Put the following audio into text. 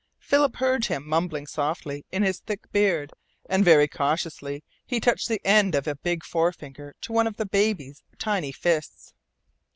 Philip heard him mumbling softly in his thick beard, and very cautiously he touched the end of a big forefinger to one of the baby's tiny fists.